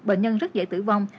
bệnh nhân rất dễ tử vong